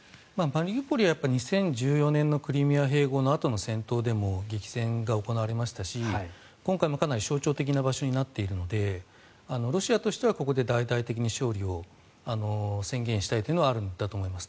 マリウポリは２０１４年のクリミア併合のあとの戦闘でも激戦が行われましたし今回もかなり象徴的な場所になっているのでロシアとしてはここで大々的に勝利を宣言したいというのはあるんだと思います。